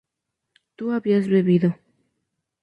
tú habías bebido